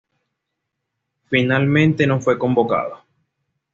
Finalmente no fue convocado.